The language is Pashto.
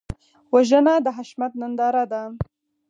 وژنه د وحشت ننداره ده